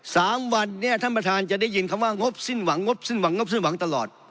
สามวันเนี่ยท่านประธานจะได้ยินคำว่างบสิ้นหวังงบสิ้นหวังงบสิ้นหวังตลอด